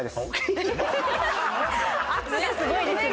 圧がすごいですね。